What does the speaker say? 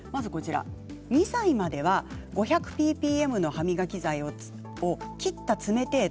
２歳までは５００ｐｐｍの歯磨き剤を切った爪程度。